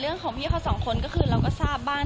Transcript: เรื่องของพี่เขาสองคนก็คือเราก็ทราบบ้าง